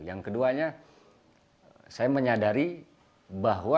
yang keduanya saya menyadari bahwa